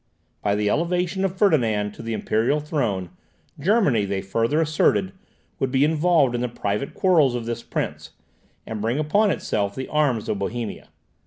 By the elevation of Ferdinand to the imperial throne, Germany, they further asserted, would be involved in the private quarrels of this prince, and bring upon itself the arms of Bohemia.